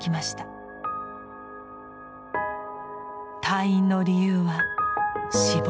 退院の理由は「死亡」。